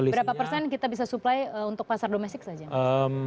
berapa persen kita bisa supply untuk pasar domestik saja